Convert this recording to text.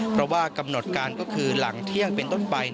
เพราะว่ากำหนดการก็คือหลังเที่ยงเป็นต้นไป